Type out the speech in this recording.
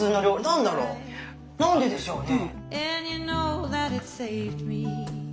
何ででしょうね。